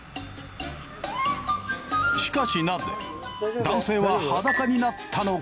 しかしなぜ男性は裸になったのか。